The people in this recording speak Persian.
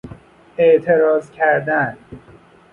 اعتراض کردن